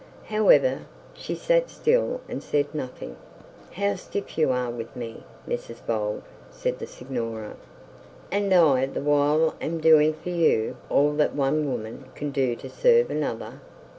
However, she sat still and said nothing. 'How stiff you are with me, Mrs Bold,' said the signora; 'and I the while am doing for you all that one woman can do to serve another.'